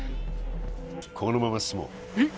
このまま進もうえっ？